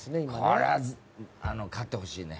これは勝ってほしいね。